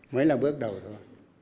mới là bước đầu thôi